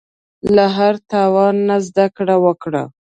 له هر تاوان نه زده کړه وکړه.